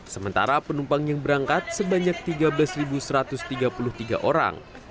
sementara penumpang yang berangkat sebanyak tiga belas satu ratus tiga puluh tiga orang